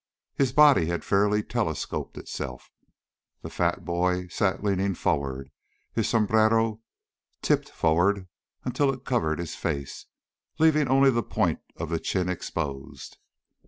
His body had fairly telescoped itself. The fat boy sat leaning forward, his sombrero tipped forward until it covered his face, leaving only the point of the chin exposed.